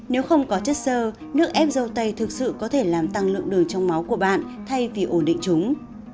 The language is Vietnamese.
nếu không có chất sơ nước ép dâu tây thực sự có thể làm tăng lượng đường trong máu của bạn thay vì ổn định chúng